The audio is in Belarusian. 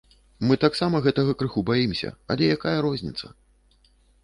Мы таксама гэтага крыху баімся, але якая розніца?